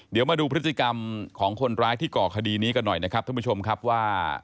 เดี๋ยวมาดูพฤติกรรมของคนร้ายที่ก่อคดีนี้กันหน่อยนะครับท่านผู้ชมครับว่า